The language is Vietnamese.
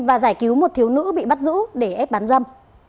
và giải cứu một thiếu nữ bị bắt giữ để ép bán dâm